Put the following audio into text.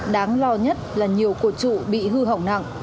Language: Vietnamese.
đáng lo nhất là nhiều cột trụ bị hư hỏng nặng